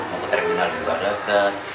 mungkin terminal juga dekat